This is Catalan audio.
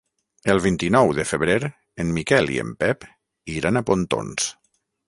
El vint-i-nou de febrer en Miquel i en Pep iran a Pontons.